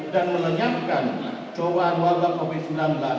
dan melenyapkan cobaan wabah covid sembilan belas